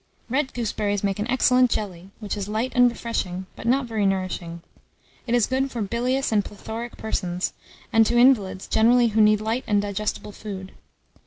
Red gooseberries make an excellent jelly, which is light and refreshing, but not very nourishing. It is good for bilious and plethoric persons, and to invalids generally who need light and digestible food.